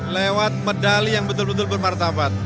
lewat medali yang betul betul bermartabat